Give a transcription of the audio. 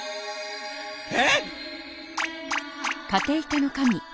えっ？